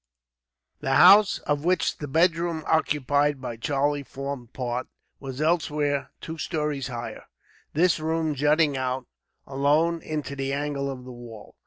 The house, of which the bedroom occupied by Charlie formed part, was elsewhere two stories higher; this room jutting out, alone, into the angle of the wall.